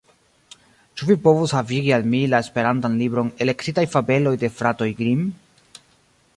Ĉu vi povus havigi al mi la esperantan libron »Elektitaj fabeloj de fratoj Grimm«?